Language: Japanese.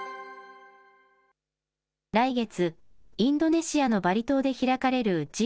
来月、インドネシアのバリ島で開かれるＧ２０・